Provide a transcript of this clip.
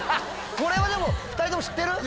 これはでも２人とも知ってる？